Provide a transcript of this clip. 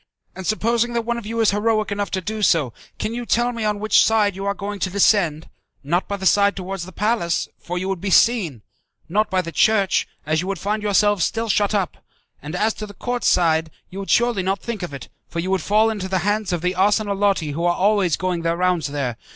And supposing that one of you is heroic enough to do so, can you tell me on which side you are going to descend? Not by the side towards the palace, for you would be seen; not by the church, as you would find yourselves still shut up, and as to the court side you surely would not think of it, for you would fall into the hands of the 'arsenalotti' who are always going their rounds there.